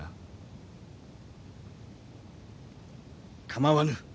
構わぬ。